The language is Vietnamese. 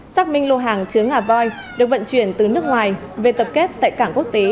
xác minh lô hàng chứa ngà voi được vận chuyển từ nước ngoài về tập kết tại cảng quốc tế